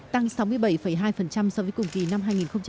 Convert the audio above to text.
tăng sáu mươi bảy hai so với cùng kỳ năm hai nghìn một mươi tám